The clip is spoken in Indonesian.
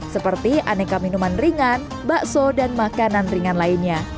seperti aneka minuman ringan bakso dan makanan ringan lainnya